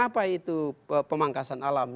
apa itu pemangkasan alam